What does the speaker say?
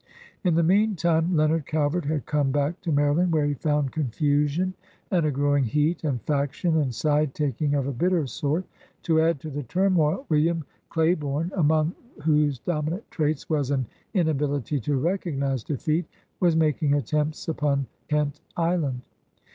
In the meantime Leonard Calvert had come back to Maryland, where he found confusion and a growing heat and faction and side taking of a bitter sort. To add to the turmoil, William Clai 144 nONEERS OF THE OLD SOUTH borne, among whose dominant traits was an in ability to recognize defeat, was making attempts upon Kent Island.